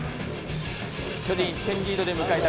巨人、１点リードで迎えた